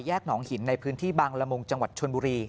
หนองหินในพื้นที่บางละมุงจังหวัดชนบุรี